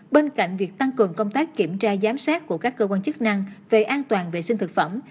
bên cạnh việc tăng cường công tác kiểm tra giám sát của các cơ quan chức năng về an toàn vệ sinh thực phẩm